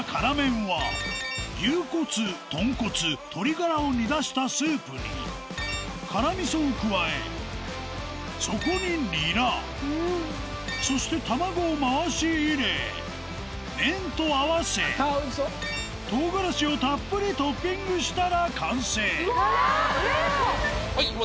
辛麺？を煮出したスープに辛みそを加えそこにニラそしてたまごを回し入れ麺と合わせ唐辛子をたっぷりトッピングしたら完成辛そう！